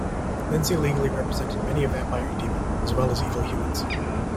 Lindsey legally represented many a vampire and demon, as well as evil humans.